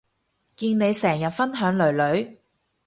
見你成日分享囡囡